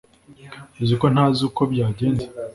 uziko ntazi uko byagenze